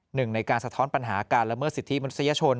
หนึ่งในการสะท้อนปัญหาการละเมิดสิทธิมนุษยชน